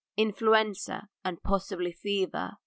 "Influenza and possibly fever.